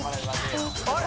あれ？